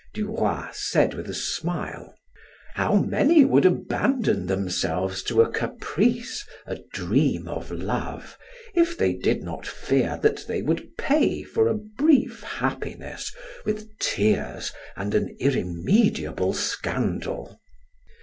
Duroy said with a smile: "How many would abandon themselves to a caprice, a dream of love, if they did not fear that they would pay for a brief happiness with tears and an irremediable scandal?"